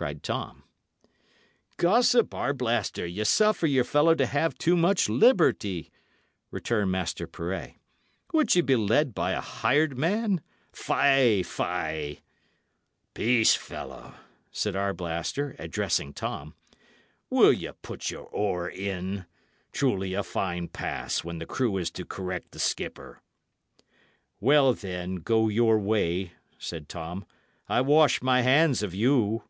cried Tom. "Gossip Arblaster, ye suffer your fellow to have too much liberty," returned Master Pirret. "Would ye be led by a hired man? Fy, fy!" "Peace, fellow!" said Arblaster, addressing Tom. "Will ye put your oar in? Truly a fine pass, when the crew is to correct the skipper!" "Well, then, go your way," said Tom; "I wash my hands of you."